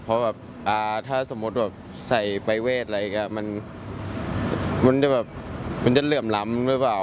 เพราะว่าถ้าสมมติใส่ปริเวศอะไรก็มันจะเหลื่อมล้ำหรือเปล่า